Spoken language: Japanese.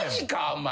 お前。